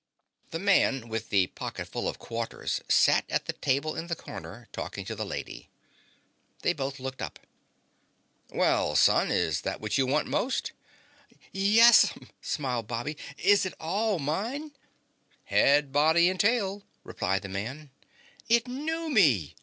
The Man with the Pocketful of Quarters sat at the table in the corner, talking to the Lady. They both looked up. "Well, son, is that what you want most?" "Yes'm," smiled Bobby. "Is it all mine?" "Head, body and tail," replied the man. "It knew me!"